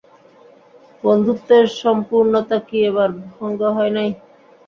বন্ধুত্বের সম্পূর্ণতা কি এবার ভঙ্গ হয় নাই?